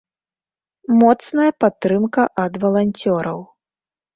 Моцная падтрымка ад валанцёраў.